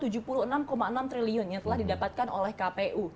jadi tujuh puluh enam enam triliun yang telah didapatkan oleh kpu